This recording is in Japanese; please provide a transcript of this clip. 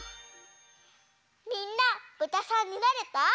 みんなぶたさんになれた？